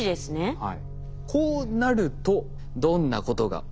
はい。